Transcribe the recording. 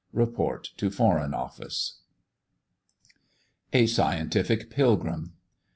Report to Foreign Office. A SCIENTIFIC PILGRIM.